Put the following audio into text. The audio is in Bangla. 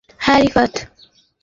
মুসলমানদেরকে টার্গেট করা আমার ফরজ।